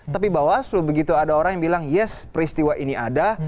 tapi bawaslu begitu ada orang yang bilang yes peristiwa ini ada